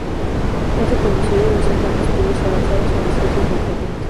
Es reconocido en Centro de Estudios Avanzados en las ciencias del Conducta.